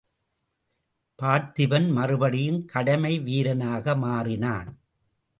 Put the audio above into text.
பார்த்திபன் மறுபடியும் கடமை வீரனாக மாறினான்.